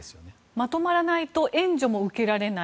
まとまらないと援助も受けられない。